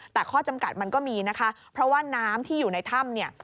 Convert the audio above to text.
แต่ข้อจำกัดมันก็มีนะคะเพราะว่าน้ำที่อยู่ในถ้ำเนี่ย